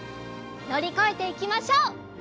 のりこえていきましょう。